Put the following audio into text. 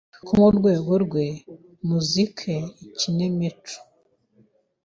nko mu rwego rwe muzike, ikinemico